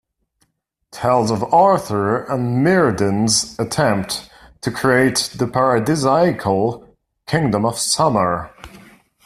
Tells of Arthur and Myrddin's attempt to create the paradisaical "Kingdom of Summer".